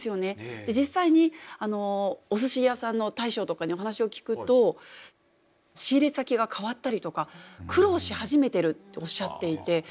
実際にお寿司屋さんの大将とかにお話を聞くと仕入れ先が変わったりとか苦労し始めてるっておっしゃっていて。